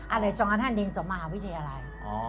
อันเลยจองอันท่านเรียนจบมาวิทยาลัย